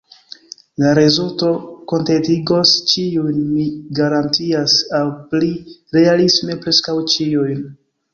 La rezulto kontentigos ĉiujn, mi garantias; aŭ pli realisme, preskaŭ ĉiujn.